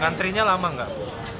kantrinya lama enggak